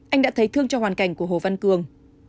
anh đã thấy thương cho hoàn cảnh của hồ văn cường